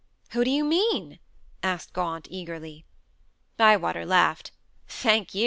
"Who do you mean?" asked Gaunt eagerly. Bywater laughed. "Thank you.